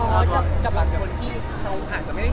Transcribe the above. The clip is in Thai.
พี่พอร์ตทานสาวใหม่พี่พอร์ตทานสาวใหม่